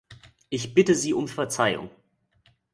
Ich bitte Sie um Verzeihung.